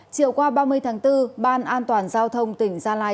chiều qua ba mươi tháng bốn ban an toàn giao thông tỉnh gia lai